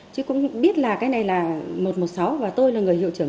chứ cũng biết là cái này là một trăm một mươi sáu và tôi là người hiệu trưởng